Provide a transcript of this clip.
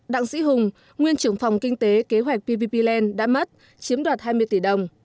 đặng sĩ hùng nguyên trưởng phòng kinh tế kế hoạch pvp land đã mất chiếm đoạt hai mươi tỷ đồng